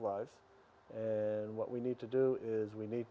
dan menjaga kehidupan mereka